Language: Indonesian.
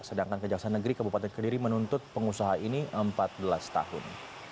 sedangkan kejaksaan negeri kabupaten kediri menuntut pengusaha ini empat belas tahun